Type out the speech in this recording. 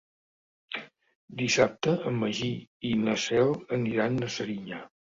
Dissabte en Magí i na Cel aniran a Serinyà.